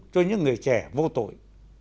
cho những người trẻ vô tội